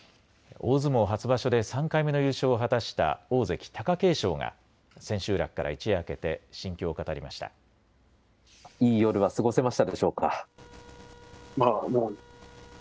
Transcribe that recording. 大相撲初場所で３回目の優勝を果たした大関・貴景勝が千秋楽から一夜明けて心境を語りました。